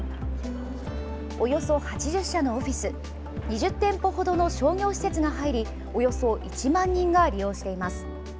およそ８０社のオフィス２０店舗程の商業施設が入りおよそ１万人が利用しています。